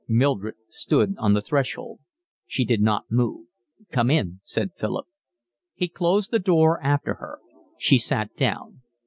Mildred stood on the threshold. She did not move. "Come in," said Philip. He closed the door after her. She sat down.